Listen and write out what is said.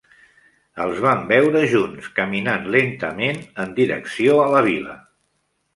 Els van veure junts, caminant lentament en direcció a la vila.